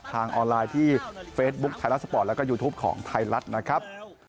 ทางออนไลน์ที่เฟซบุ๊คไทยรัฐสปอร์ตแล้วก็ยูทูปของไทยรัฐนะครับ